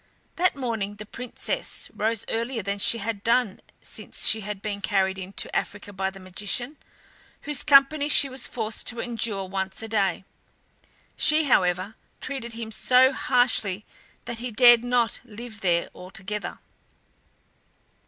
That morning the Princess rose earlier than she had done since she had been carried into Africa by the magician, whose company she was forced to endure once a day. She, however, treated him so harshly that he dared not live there altogether.